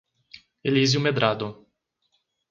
Elísio Medrado